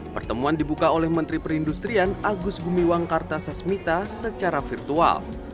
pertemuan dibuka oleh menteri perindustrian agus gumiwang kartasasmita secara virtual